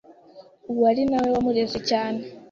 uwo ari nawe wamureze cyane.